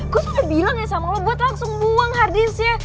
gue sudah bilang ya sama lo buat langsung buang harddisknya